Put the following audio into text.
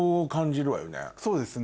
そうですね。